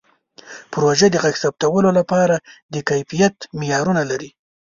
پروژه د غږ ثبتولو لپاره د کیفیت معیارونه لري.